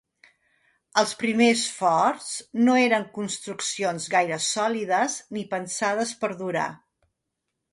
Els primers forts no eren construccions gaire sòlides, ni pensades per durar.